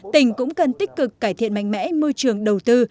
tỉnh cũng cần tích cực cải thiện mạnh mẽ môi trường đầu tư